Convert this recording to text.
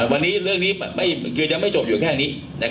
วันนี้เรื่องนี้คือยังไม่จบอยู่แค่นี้